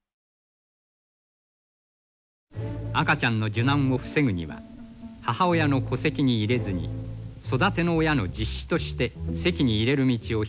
赤ちゃんの受難を防ぐには母親の戸籍に入れずに育ての親の実子として籍に入れる道を開く他はない。